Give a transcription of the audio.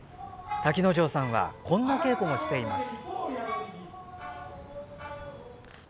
瀧之丞さんはこんな稽古もしています。